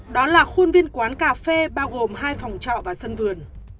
đó là khuôn viên quán cà phê bao gồm hai phòng trọ và sân vườn